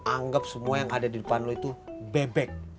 anggap semua yang ada di depan lo itu bebek